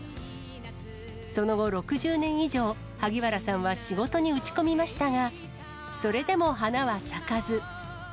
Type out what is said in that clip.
その後、６０年以上、萩原さんは仕事に打ち込みましたが、それでも花は咲かず。